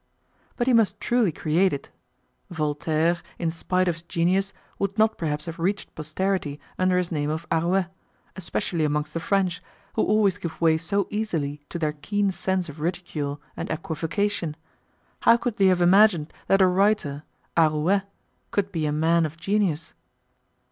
But he must truly create it. Voltaire, in spite of his genius, would not perhaps have reached posterity under his name of Arouet, especially amongst the French, who always give way so easily to their keen sense of ridicule and equivocation. How could they have imagined that a writer 'a rouet' could be a man of genius?